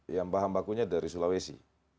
yang bahan bakunya dari sulawesi